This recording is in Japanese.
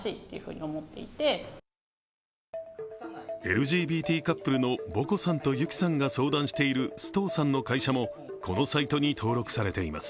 ＬＧＢＴカップルのボコさんとゆきさんが相談している須藤さんの会社も、このサイトに登録されています。